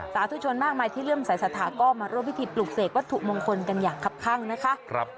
สาธุชนมากมายที่เริ่มใส่สถาก็มาร่วมพิธีปลูกเสกวัตถุมงคลกันอย่างคับข้างนะคะ